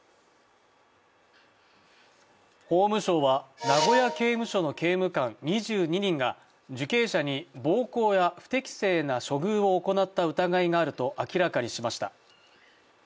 法務省は、名古屋刑務所の刑務官２２人が受刑者に暴行や不適正な処遇を行った疑いがあると明らかにしました。